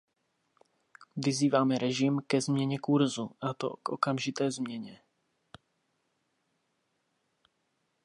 Vyzýváme režim ke změně kurzu, a to k okamžité změně.